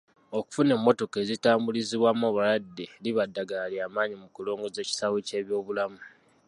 Okufuna emmotoka ezitambulizibwamu abalwadde liba ddaala ly'amaanyi mu kulongoosa ekisaawe ky'ebyobulamu.